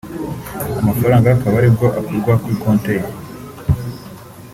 amafaranga akaba aribwo akurwa kuri konti ye